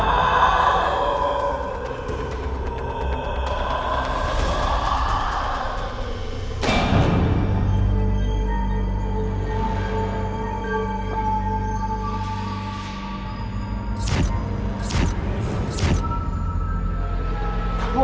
ไปไอ้มายอยู่ออกชีวิตให้ไว้